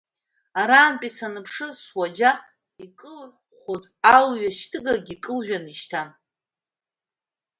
Арантәи саныԥшы, суаџьаҟ икылыҳәҳәоз алҩа шьҭыгагьы кылжәаны ишьҭан.